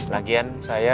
titi prena ya